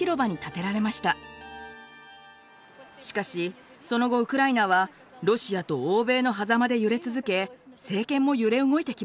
しかしその後ウクライナはロシアと欧米のはざまで揺れ続け政権も揺れ動いてきました。